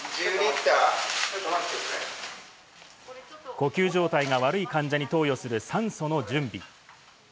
呼吸状態が悪い患者に投与する酸素の準備。